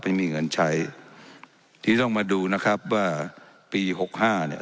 ไม่มีเงินใช้ทีนี้ต้องมาดูนะครับว่าปีหกห้าเนี่ย